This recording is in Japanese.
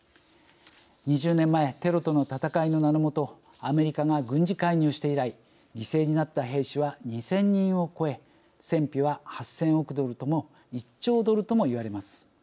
２０年前テロとの戦いの名のもとアメリカが軍事介入して以来犠牲になった兵士は２，０００人を超え戦費は８，０００億ドルとも１兆ドルともいわれます。